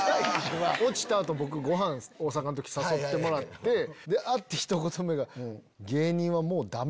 落ちた後僕ご飯大阪の時誘ってもらって会ってひと言目が。